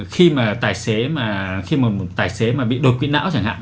khi mà tài xế mà bị đột quỵ não chẳng hạn